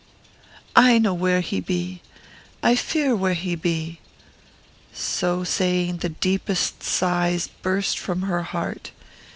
"I know where he be; I fear where he be." So saying, the deepest sighs burst from her heart.